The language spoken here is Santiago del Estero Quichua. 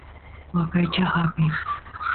waqaychaq apin